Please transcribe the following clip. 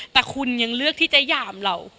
แต่คุณยังเลือกที่จะหยามเรา